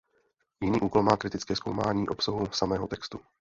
Jiný úkol má kritické zkoumání obsahu samého textu.